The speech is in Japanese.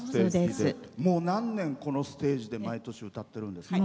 もう何年、このステージで毎年、歌ってるんですか？